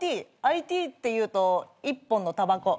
ＩＴっていうと「一本のたばこ」